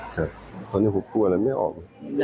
ครับตอนนี้ผมกลัวอะไรไม่ออก